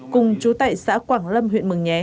cùng chú tệ xã quảng lâm huyện mường nhé